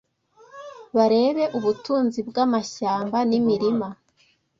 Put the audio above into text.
barebe ubutunzi bw’amashyamba n’imirima